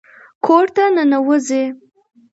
کور ته ننوځئ